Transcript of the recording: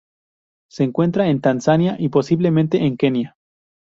Se encuentra en Tanzania y, posiblemente en Kenia.